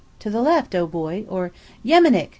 ("To the left, oh, boy!"), or "Yeminick!"